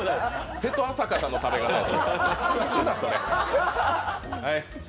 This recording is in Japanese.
瀬戸朝香さんの食べ方や。